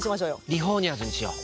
リフォーニャーズにしよう。